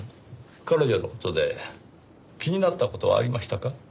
彼女の事で気になった事はありましたか？